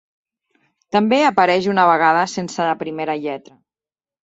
També apareix una vegada sense la primera lletra.